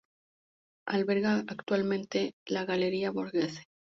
Alberga actualmente la Galería Borghese.